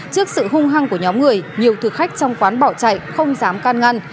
trước sự hung hăng của nhóm người nhiều thực khách trong quán bỏ chạy không dám can ngăn